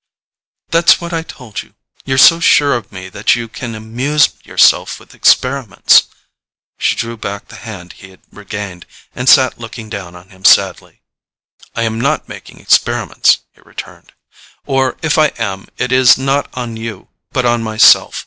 "That's what I told you—you're so sure of me that you can amuse yourself with experiments." She drew back the hand he had regained, and sat looking down on him sadly. "I am not making experiments," he returned. "Or if I am, it is not on you but on myself.